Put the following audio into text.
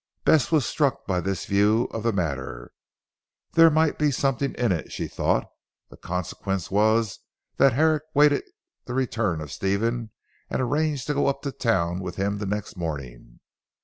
Bess was struck by this view of the matter. There might be something in it, she thought. The consequence was that Herrick waited the return of Stephen and arranged to go up to town with him the next morning.